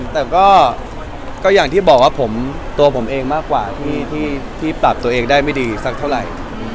แต่ก็อย่างที่บอกว่าผมตัวผมเองมากกว่าที่ปรับตัวเองได้ไม่ดีสักเท่าไหร่